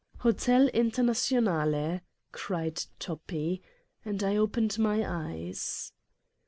" Hotel ' Internationale '" cried Toppi, and I opened my eyes.